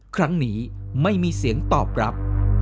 ครั้งนี้ไม่มีเสียงตอบรับ